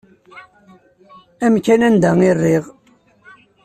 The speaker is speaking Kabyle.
Amkan anda i rriɣ.